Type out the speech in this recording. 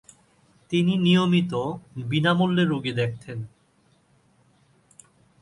তিনি নিয়মিত বিনামূল্যে রোগী দেখতেন।